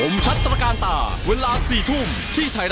อมชัดตระการต่าเวลา๔ทุ่มที่ไทรัตทีวีเท่านั้น